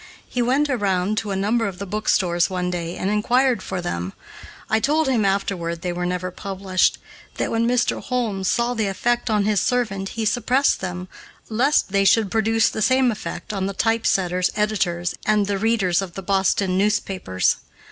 He went around to a number of the bookstores one day and inquired for them. I told him afterward they were never published; that when Mr. Holmes saw the effect on his servant he suppressed them, lest they should produce the same effect on the typesetters, editors, and the readers of the Boston newspapers.